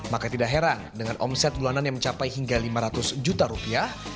maka tidak heran dengan omset bulanan yang mencapai hingga lima ratus juta rupiah